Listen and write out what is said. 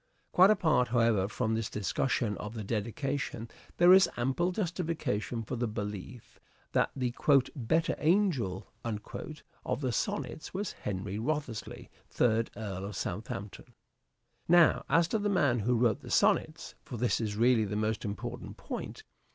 Quite apart, however, from this discussion of the dedication, there is ample justification for the belief that the " better angel " of the Sonnets was Henry Wriothesley, Third Earl of Southampton. The age of Now, as to the man who wrote the sonnets : for " our ever ... living poet." this is really the most important point.